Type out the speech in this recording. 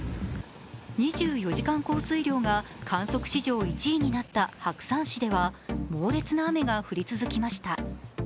２４時間降水量が観測史上１位になった白山市では、猛烈な雨が降り続きました。